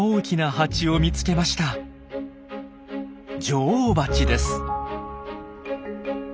女王バチです。